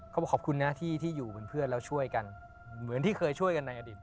บอกขอบคุณนะที่อยู่เป็นเพื่อนแล้วช่วยกันเหมือนที่เคยช่วยกันในอดีต